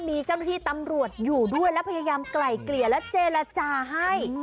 มีเจ้าหน้าที่ตำรวจอยู่ด้วยและพยายามไกล่เกลี่ยและเจรจาให้